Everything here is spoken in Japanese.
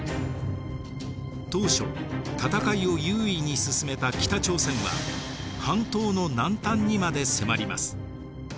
当初戦いを優位に進めた北朝鮮は半島の南端にまで迫ります。